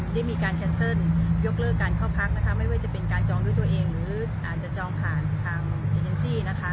ได้มีการแคนเซิลยกเลิกการเข้าพักนะคะไม่ว่าจะเป็นการจองด้วยตัวเองหรืออาจจะจองผ่านทางเอเนซี่นะคะ